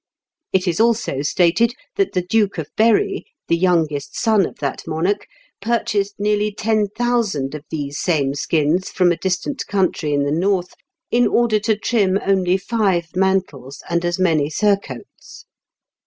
It is also stated that the Duke of Berry, the youngest son of that monarch, purchased nearly ten thousand of these same skins from a distant country in the north, in order to trim only five mantles and as many surcoats.